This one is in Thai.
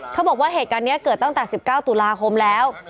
เขาบอกว่าเหตุการณ์นี้เกิดตั้งแต่๑๙ตุลาคมแล้ว